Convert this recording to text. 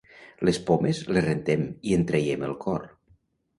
Les pomes les rentem i en traiem el cor.